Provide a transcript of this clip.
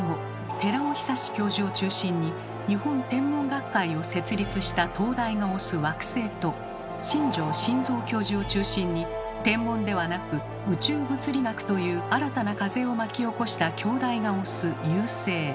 寺尾寿教授を中心に日本天文学会を設立した東大が推す「惑星」と新城新蔵教授を中心に「天文」ではなく「宇宙物理学」という新たな風を巻き起こした京大が推す「遊星」。